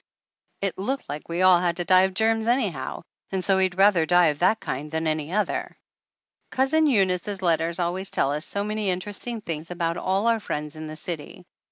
it looked like we all had to die of germs anyhow, and so he'd rather die of that kind than any other ! Cousin Eunice's letters always tell us so many interesting things about all our friends in the city.